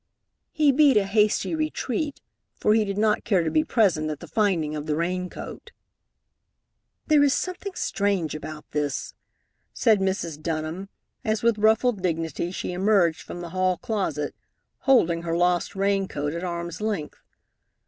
He beat a hasty retreat, for he did not care to be present at the finding of the rain coat. "There is something strange about this," said Mrs. Dunham, as with ruffled dignity she emerged from the hall closet, holding her lost rain coat at arm's length.